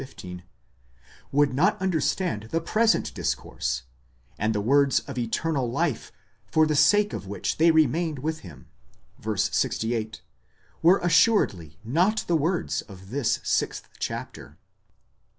15), would not understand the present dis course; and the words of eternal 2275, for the sake of which they remained with him (v. 68), were assuredly not the words of this sixth chapter.